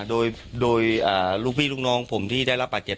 โดยลูกพี่ลูกน้องผมที่ได้รับบาดเจ็บ